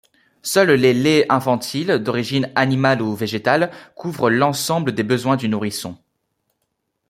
Seuls les laits infantiles, d'origine animale ou végétale, couvrent l'ensemble des besoins du nourrisson.